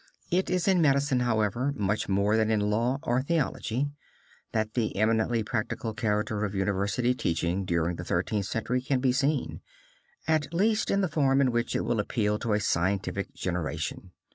It is in medicine, however, much more than in law or theology, that the eminently practical character of university teaching during the Thirteenth Century can be seen, at least in the form in which it will appeal to a scientific generation.